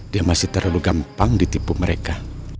dia masih terlalu gampang ditipu mereka